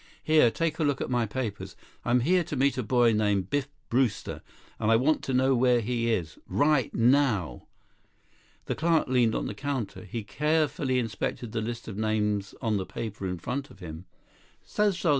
Here, take a look at my papers. I'm here to meet a boy named Biff Brewster, and I want to know where he is. Right now!" The clerk leaned on the counter. He carefully inspected the list of names on the paper in front of him. "So sorry.